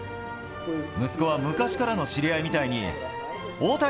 息子は昔からの知り合いみたいに、大谷！